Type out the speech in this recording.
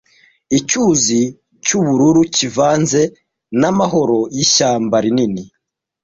icyuzi cy'ubururu kivanze n'amahoro y'ishyamba rinini